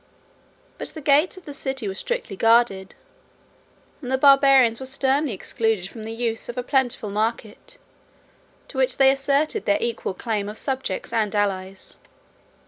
But the gates of the city were strictly guarded, and the Barbarians were sternly excluded from the use of a plentiful market, to which they asserted their equal claim of subjects and allies.